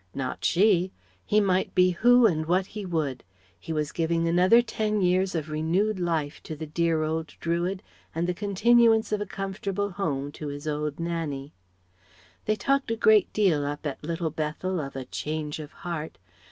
Not she. He might be who and what he would. He was giving another ten years of renewed life to the dear old Druid and the continuance of a comfortable home to his old Nannie. They talked a great deal up at Little Bethel of a "change of heart."